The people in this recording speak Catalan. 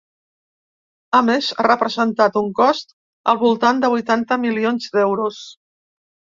A més, ha representat un cost al voltant de vuitanta milions d’euros.